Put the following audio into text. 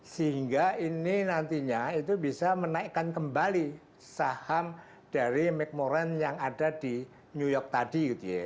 sehingga ini nantinya itu bisa menaikkan kembali saham dari mcmoran yang ada di new york tadi